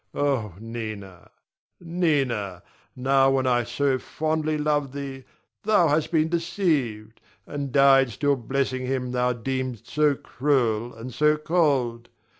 Oh, Nina, Nina, now when I so fondly love thee, thou hast been deceived, and died still blessing him thou deemed so cruel and so cold.